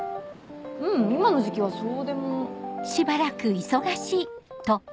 ううん今の時期はそうでも。